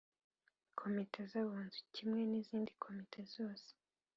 Komite z Abunzi kimwe n izindikomite zose